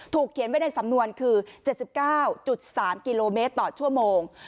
ถูกเขียนไว้ในสำนวนคือเจ็ดสิบเก้าจุดสามกิโลเมตรต่อชั่วโมง